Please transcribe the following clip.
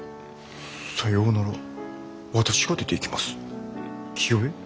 「さようなら私が出て行きます清恵」。